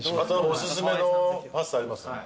おすすめのパスタあります？